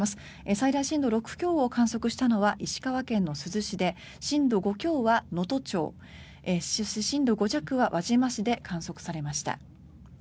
最大震度６強を観測したのは石川県の珠洲市で震度５強は能登町そして震度５弱は輪島市で観測されました。